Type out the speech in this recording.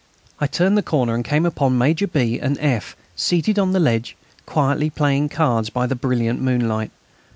I turned the corner and came upon Major B. and F. seated on the ledge, quietly playing cards by the brilliant moonlight.